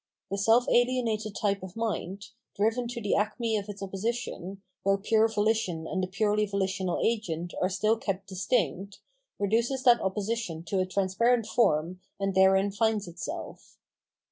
The self alienated type of min d, driven to the acme of its opposition, where pure volition and the purely vohtional agent are still kept distinct, reduces that opposition to a transparent form, and therein finds itself.